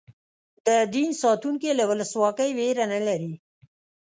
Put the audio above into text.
د دین ساتونکي له ولسواکۍ وېره نه لري.